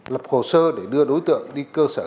lập hồ sơ để đưa đối tượng đi cơ sở